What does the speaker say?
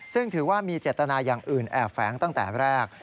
ซึ่งถือว่ามีเจตนาอย่างอื่นแอบแฝงตั้งแต่แรก